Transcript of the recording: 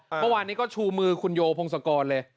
เมื่อวานนี้ก็ชูมือคุณโยพงศกรเลย